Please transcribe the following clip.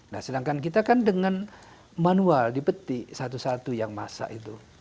nah sedangkan kita kan dengan manual dipetik satu satu yang masak itu